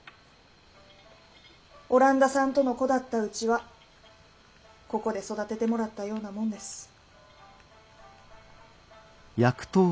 オランダさんとの子だったうちはここで育ててもらったようなもんです。